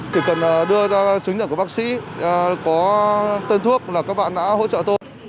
chỉ cần đưa ra chứng nhận của bác sĩ có tên thuốc là các bạn đã hỗ trợ tôi